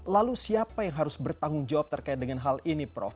lalu siapa yang harus bertanggung jawab terkait dengan hal ini prof